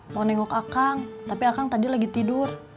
mau nengok akang tapi akang tadi lagi tidur